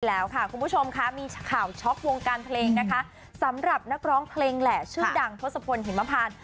แล้วค่ะคุณผู้ชมค่ะมีข่าวช็อกวงการเพลงนะคะสำหรับนักร้องเพลงแหละชื่อดังทศพลหิมพาน